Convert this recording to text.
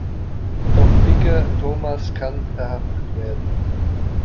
Doch Bigger Thomas kann verhaftet werden.